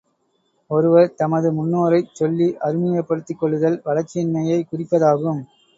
ஒருவர் தமது முன்னோரைச் சொல்லி அறிமுகப்படுத்திக் கொள்ளுதல் வளர்ச்சியின்மையைக் குறிப்பதாகும்.